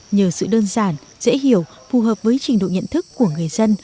nhờ sự đơn giản dễ hiểu phù hợp với trình độ nhận thức của người dân